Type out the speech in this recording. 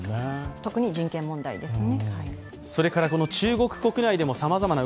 特に人権問題ですね。